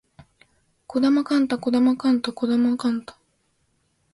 児玉幹太児玉幹太児玉幹太